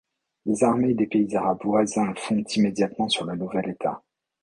Les armées des pays arabes voisins fondent immédiatement sur le nouvel État.